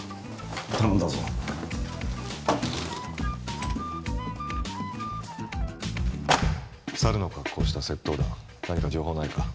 頼んだぞ猿の格好をした窃盗団何か情報ないか？